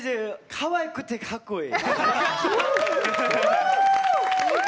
かわいくて、かっこいい！